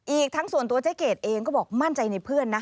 อีกทั้งส่วนตัวเจ๊เกดเองก็บอกมั่นใจในเพื่อนนะคะ